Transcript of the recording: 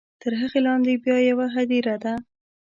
تر هغې لاندې بیا یوه هدیره ده.